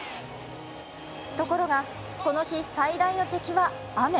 ところが、この日最大の敵は雨。